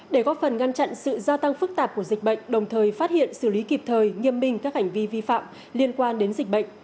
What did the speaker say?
để góp phần ngăn chặn sự gia tăng phức tạp của dịch bệnh đồng thời phát hiện xử lý kịp thời nghiêm minh các hành vi vi phạm liên quan đến dịch bệnh